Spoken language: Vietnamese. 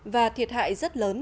và thiệt hại rất lớn